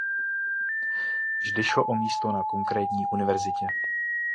Vždy šlo o místo na konkrétní univerzitě.